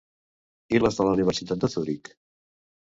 I les de la Universitat de Zuric?